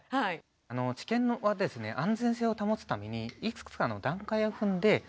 治験はですね安全性を保つためにいくつかの段階を踏んで検証しております。